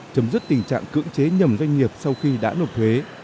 chấm dứt tình trạng cưỡng chế nhầm doanh nghiệp sau khi đã nộp thuế